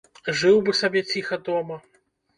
Жыў бы сабе ціха дома.